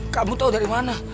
kamu tau dari mana